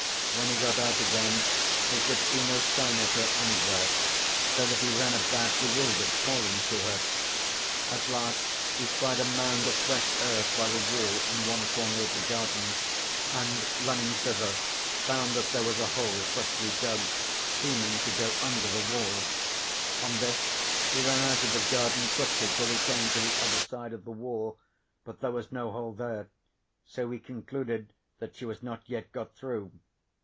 When he got out again he could see no sign of her anywhere, so that he ran about bewildered, calling to her. At last he spied a mound of fresh earth by the wall in one corner of the garden, and running thither found that there was a hole freshly dug seeming to go under the wall. On this he ran out of the garden quickly till he came to the other side of the wall, but there was no hole there, so he concluded that she was not yet got through.